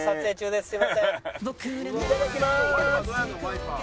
いただきまーす！